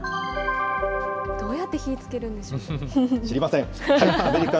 どうやって火つけたんでしょうか。